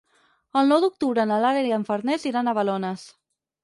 El nou d'octubre na Lara i na Farners iran a Balones.